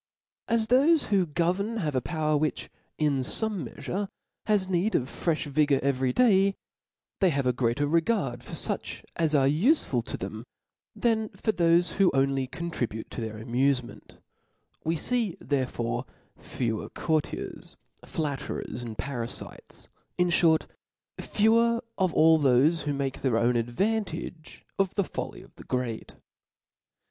As thofe who govern have a power which, in fome meafure, has need of frefh vigor every day, they have a greater regard for fiich as are ufeful to them,^ than for thofe who only contribute to their amufe ment : we fee therefore fewer courtiers, flatterers, and parafites ; in fhort, fewer of all thofe who make their own advantage of the folly of the great.